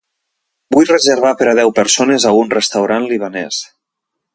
Vull reservar per a deu persones a un restaurant libanès.